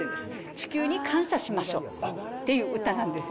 地球に感謝しましょうっていう歌なんですよ。